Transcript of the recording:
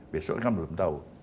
besok kan belum tahu